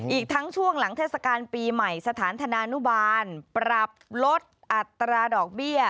อีกทั้งช่วงหลังเทศกาลปีใหม่สถานธนานุบาลปรับลดอัตราดอกเบี้ย